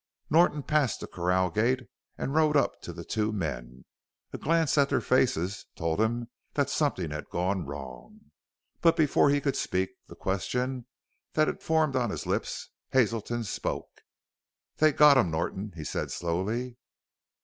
Norton passed the corral gate and rode up to the two men. A glance at their faces told him that something had gone wrong. But before he could speak the question that had formed on his lips Hazelton spoke. "They got him, Norton," he said slowly.